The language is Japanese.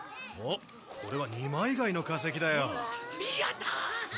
おっこれは二枚貝の化石だよ！